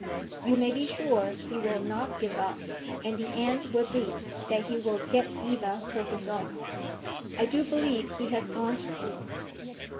You may be sure he will not give up; and the end will be, that he will get Eva for his own. I do believe he has gone to sleep."